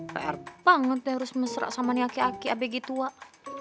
pahar banget deh harus mesra sama ni aki aki abe gitu wak